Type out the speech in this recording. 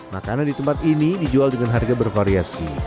makanan di tempat ini dijual dengan harga bervariasi